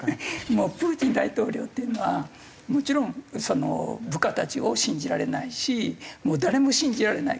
もうプーチン大統領っていうのはもちろんその部下たちを信じられないしもう誰も信じられない。